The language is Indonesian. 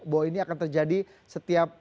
bahwa ini akan terjadi setiap